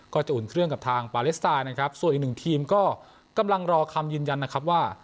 อุ่นเครื่องกับทางปาเลสไตล์นะครับส่วนอีกหนึ่งทีมก็กำลังรอคำยืนยันนะครับว่า